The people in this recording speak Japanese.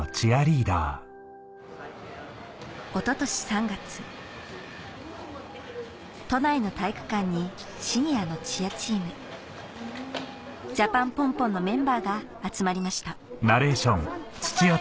おととし３月都内の体育館にシニアのチアチームジャパンポンポンのメンバーが集まりました